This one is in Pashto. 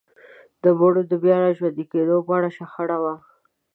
د مړي د بيا راژوندي کيدو په اړه شخړه وه.